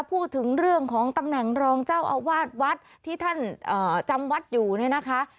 พูดถึงเรื่องของตำแหน่งรองเจ้าอาวาสวัดที่ท่านจำวัดอยู่เนี่ยนะคะ